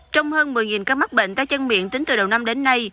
trong hơn một mươi ca mắc bệnh tay chân miệng tính từ đầu năm đến nay